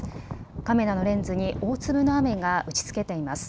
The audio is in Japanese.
カメラのレンズに大粒の雨が打ちつけています。